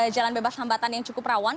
jalan bebas hambatan yang cukup rawan